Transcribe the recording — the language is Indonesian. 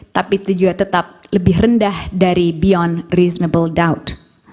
tapi itu juga tetap lebih rendah dari beyond reasonable doubt